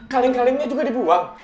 kaling kalingnya juga dibuang